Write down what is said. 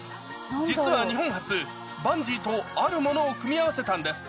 実は日本初、バンジーとあるものを組み合わせたんです。